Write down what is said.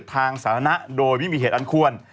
ทางสาธารณะโดยไม่มีเหตุอันควร